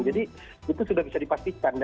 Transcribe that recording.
jadi itu sudah bisa dipastikan